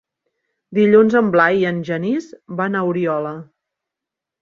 Dilluns en Blai i en Genís van a Oriola.